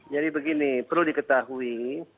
jadi begini perlu diketahui